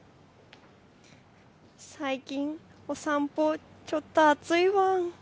最近お散歩、ちょっと暑いワン。